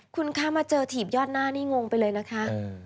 คุณคะมาเจอถีบยอดหน้านี่งงไปเลยนะคะ